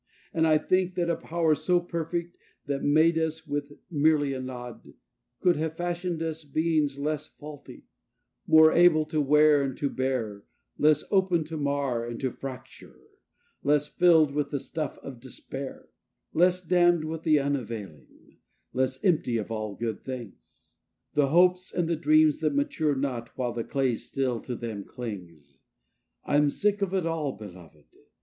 And I think that a Power so perfect, that made us with merely a nod, Could have fashioned us beings less faulty; more able to wear and to bear; Less open to mar and to fracture; less filled with the stuff of despair: Less damned with the unavailing; less empty of all good things The hopes and the dreams that mature not while the clay still to them clings: I am sick of it all, belovéd!